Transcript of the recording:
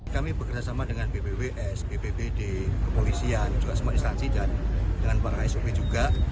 kami bekerjasama dengan bpws bbbd kepolisian juga semua instansi dan dengan para sop juga